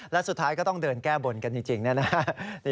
และสุดท้ายก็ต้องเดินแก้บนกันจริงนะครับ